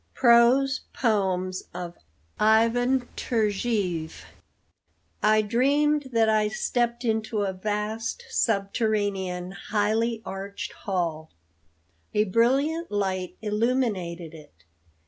PROSE POEMS OF IVAN TURGENIEF. I dreamed that I stepped into a vast, subterranean, highly arched hall. A brilliant light illuminated it.